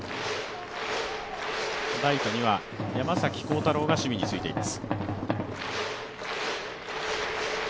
ライトには山崎晃大朗が守備についています。